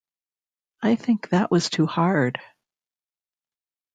I think that was too hard.